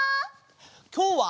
きょうは！